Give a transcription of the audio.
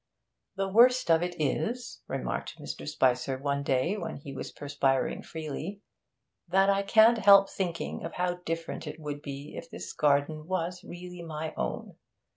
'The worst of it is,' remarked Mr. Spicer one day, when he was perspiring freely, 'that I can't help thinking of how different it would be if this garden was really my own.